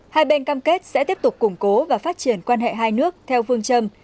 hai bên cam kết sẽ tiếp tục củng cố và phát triển quan hệ hai nước theo phương châm